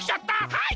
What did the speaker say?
はい！